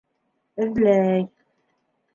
Эҙләй.